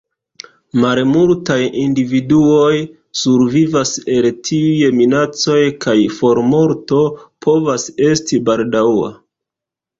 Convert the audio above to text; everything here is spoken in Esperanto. Malmultaj individuoj survivas el tiuj minacoj kaj formorto povas esti baldaŭa.